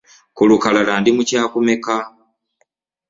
Ku lukalala ndi mu kyakumeka?